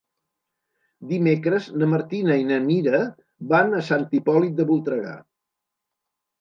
Dimecres na Martina i na Mira van a Sant Hipòlit de Voltregà.